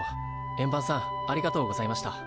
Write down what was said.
円盤さんありがとうございました。